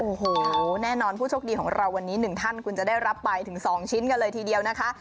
โอ้โหแน่นอนผู้โชคดีของเราวันนี้๑ท่านคุณจะได้รับไปถึง๒ชิ้นกันเลยทีเดียวนะคะ